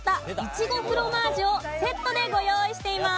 いちごフロマージュをセットでご用意しています。